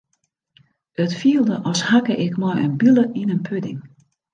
It fielde as hakke ik mei in bile yn in pudding.